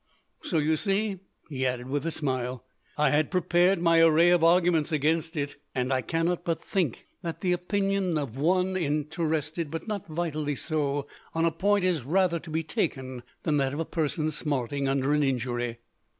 "So you see," he added with a smile, "I had prepared my array of arguments against it; and I cannot but think that the opinion of one interested, but not vitally so, on a point, is rather to be taken than that of a person smarting under an injury."